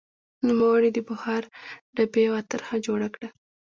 نوموړي د بخار ډبې یوه طرحه جوړه کړه.